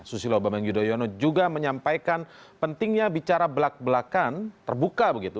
susilo bambang yudhoyono juga menyampaikan pentingnya bicara belak belakan terbuka begitu